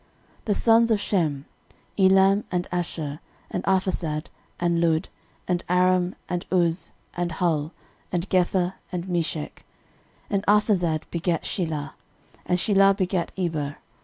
13:001:017 The sons of Shem; Elam, and Asshur, and Arphaxad, and Lud, and Aram, and Uz, and Hul, and Gether, and Meshech. 13:001:018 And Arphaxad begat Shelah, and Shelah begat Eber.